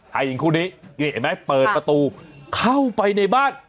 ให้อีกครู่นี้เกลียดไหมเปิดประตูเข้าไปในบ้าน